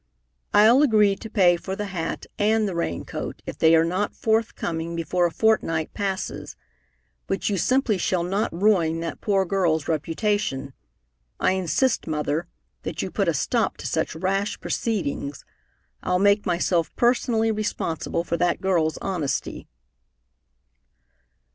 "I'll agree to pay for the hat and the rain coat if they are not forthcoming before a fortnight passes, but you simply shall not ruin that poor girl's reputation. I insist, Mother, that you put a stop to such rash proceedings. I'll make myself personally responsible for that girl's honesty."